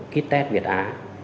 kit test việt á